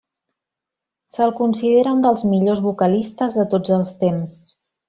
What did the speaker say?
Se'l considera un dels millors vocalistes de tots els temps.